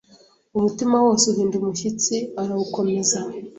Umutima wose uhinda umushyitsi arawukomeza.